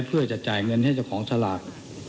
เพื่อจะจ่ายเงินให้เจ้าของสลาก